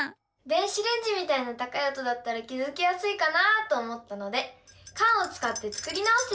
電子レンジみたいな高い音だったら気付きやすいかなと思ったのでカンをつかって作り直してみました！